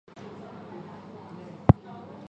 头圆吻钝。